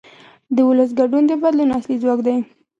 د ولس ګډون د بدلون اصلي ځواک دی